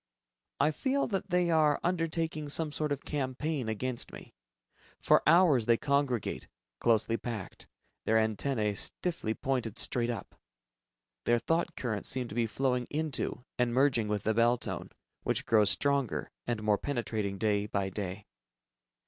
I feel that they are undertaking some sort of campaign against me. For hours they congregate, closely packed, their antennae stiffly pointed straight up. Their thought currents seem to be flowing into and merging with the bell tone, which grows stronger and more penetrating day by day.